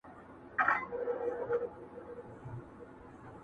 محتسب مي دي وهي په دُرو ارزي،